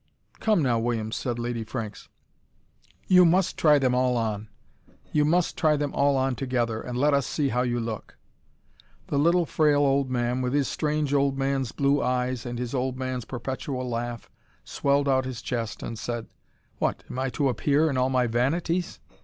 "Come now, William," said Lady Franks, "you must try them all on. You must try them all on together, and let us see how you look." The little, frail old man, with his strange old man's blue eyes and his old man's perpetual laugh, swelled out his chest and said: "What, am I to appear in all my vanities?"